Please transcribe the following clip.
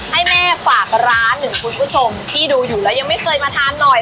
ให้แม่ฝากร้านหนึ่งคุณผู้ชมที่ดูอยู่แล้วยังไม่เคยมาทานหน่อย